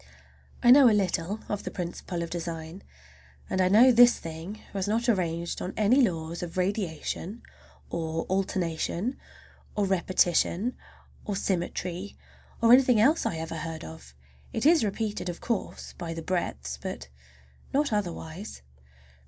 I know a little of the principle of design, and I know this thing was not arranged on any laws of radiation, or alternation, or repetition, or symmetry, or anything else that I ever heard of. It is repeated, of course, by the breadths, but not otherwise.